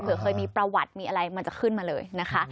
เคยมีประวัติมีอะไรมันจะขึ้นมาเลยนะคะ